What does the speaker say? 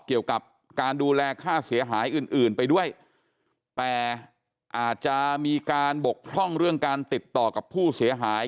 เกี่ยวกับการดูแลค่าเสียหายอื่นอื่นไปด้วยแต่อาจจะมีการบกพร่องเรื่องการติดต่อกับผู้เสียหาย